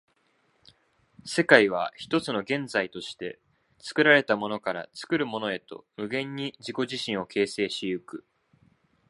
世界は一つの現在として、作られたものから作るものへと無限に自己自身を形成し行く。